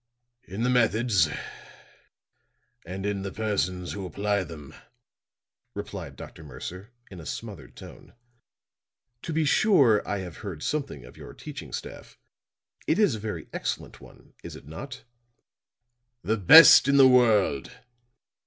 "In the methods and in the persons who apply them," replied Dr. Mercer in a smothered tone. "To be sure. I have heard something of your teaching staff. It is a very excellent one, is it not?" "The best in the world."